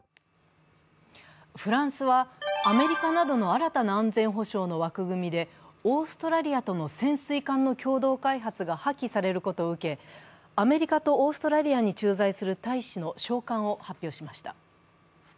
フランスはアメリカなどの新たな安全保障の枠組みでオーストラリアとの潜水艦の共同開発が破棄されることを受け、アメリカとオーストラリアに駐在する大使の召還を発表しました。